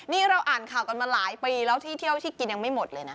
นี่เราอ่านข่าวกันมาหลายปีแล้วที่เที่ยวที่กินยังไม่หมดเลยนะ